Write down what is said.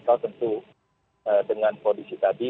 dan juga tentu dengan kondisi tadi